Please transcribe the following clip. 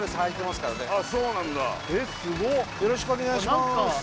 すごっよろしくお願いしまーす